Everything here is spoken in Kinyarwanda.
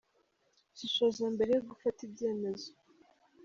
Shishoza mbere yo gufata ibyemezo :.